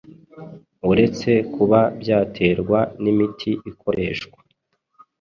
Uretse kuba byaterwa n’imiti ikoreshwa